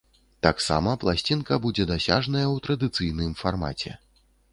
Таксама пласцінка будзе дасяжная ў традыцыйным фармаце.